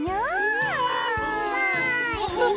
えすごい！